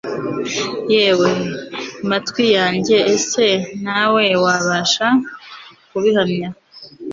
yewe matwi yanjye ese nawe wabasha kubihamya